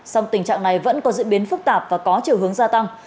song tình trạng này vẫn có diễn biến phức tạp và có chiều hướng gia tăng